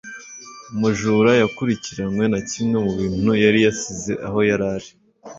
umujura yakurikiranwe na kimwe mu bintu yari yasize aho yari ari